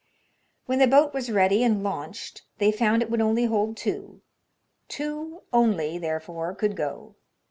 When the boat was ready and launched they found it would only hold two; two only, therefore, could go.